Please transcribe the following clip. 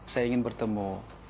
saya ingin bertemu